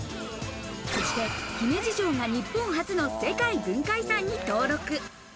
そして姫路城が日本初の世界文化遺産に登録。